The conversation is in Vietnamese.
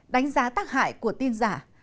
đánh giá tác hại của tin giả